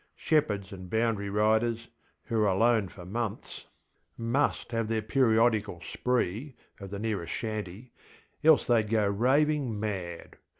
Shepherds and boundary riders, who are alone for months, MUST have their periodical spree, at the nearest shanty, else theyŌĆÖd go raving mad.